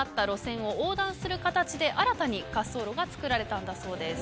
する形で新たに滑走路がつくられたんだそうです。